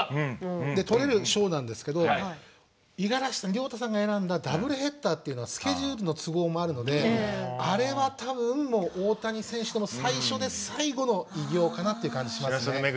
とれる賞なんですけど五十嵐亮太さんが選んだダブルヘッダーというのはスケジュールの都合もあるのであれは多分、大谷選手の最初で最後の偉業かなと思いますね。